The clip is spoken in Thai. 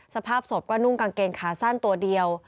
สภาพศพก็นุ่งกางเกงขาสั้นตัวเดียว